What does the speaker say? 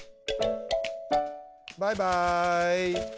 バイバイ。